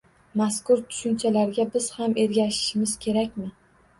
Mazkur tushunchalarga biz ham ergashishimiz kerakmi?